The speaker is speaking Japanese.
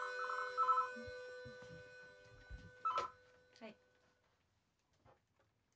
はい。